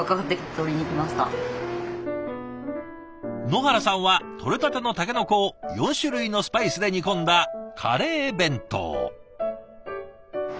野原さんは採れたてのタケノコを４種類のスパイスで煮込んだカレー弁当。